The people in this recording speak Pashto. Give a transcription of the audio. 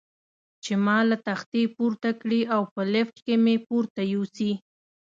چې ما له تختې پورته کړي او په لفټ کې مې پورته یوسي.